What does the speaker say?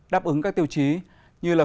đáp ứng các tiêu chí như là